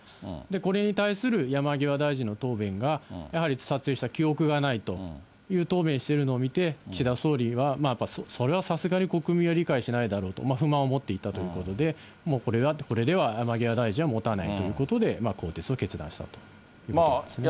これに対する山際大臣の答弁が、やはり撮影した記憶がないという答弁してるのを見て、岸田総理はやっぱりそれはさすがに国民は理解しないだろうと、不満を持っていたということで、もうこれでは山際大臣はもたないということで、更迭を決断したということですね。